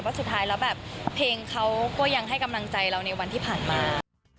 สุดท้ายแล้วแบบเพลงเขาก็ยังให้กำลังใจเราในวันที่ผ่านมา